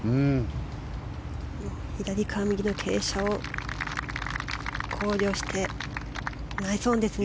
左から右の傾斜を考慮してナイスオンですね。